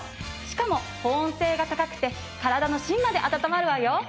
しかも保温性が高くて体の芯まで温まるわよ。